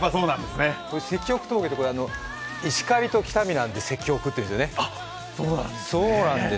石北峠って、石狩と北見で石北なんですよね。